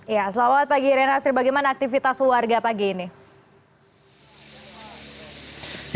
ya selamat pagi renasir bagaimana aktivitas warga pagi ini